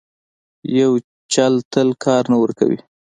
یو چل تل کار نه ورکوي.